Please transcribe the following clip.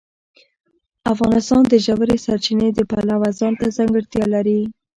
افغانستان د ژورې سرچینې د پلوه ځانته ځانګړتیا لري.